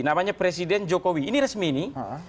namanya presiden jokowi ini resmi ini